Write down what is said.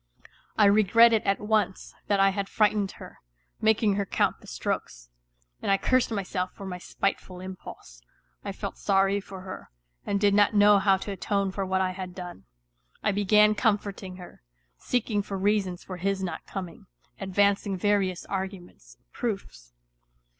I regretted at once that I had frightened her, making her count the strokes, and I cursed myself for my spiteful impulse ; I felt sorry for her, and did not know how to atone for what I had done. I began comforting her, seeking for reasons for his not coming, advancing various arguments, proofs.